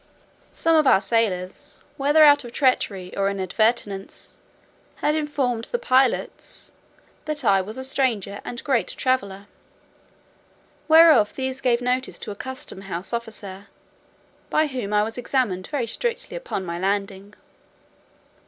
Some of our sailors, whether out of treachery or inadvertence, had informed the pilots "that I was a stranger, and great traveller;" whereof these gave notice to a custom house officer, by whom I was examined very strictly upon my landing.